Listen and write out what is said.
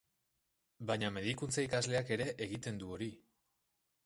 Baina medikuntza-ikasleak ere egiten du hori.